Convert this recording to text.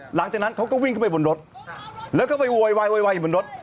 หลังจากนั้นเขาก็วิ่งเข้าไปบนรถแล้วก็ไปโวยบนรถ